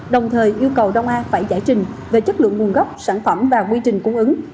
đồng thời yêu cầu đông an phải giải trình về chất lượng nguồn gốc sản phẩm và quy trình cung ứng